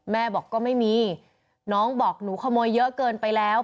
แม่บอกก็ไม่มีน้องบอกหนูขโมยเยอะเกินไปแล้ว